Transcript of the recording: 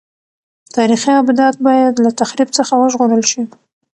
تاریخي ابدات باید له تخریب څخه وژغورل شي.